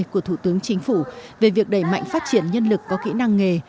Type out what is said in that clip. của thủ tướng chính phủ về việc đẩy mạnh phát triển nhân lực có kỹ năng nghề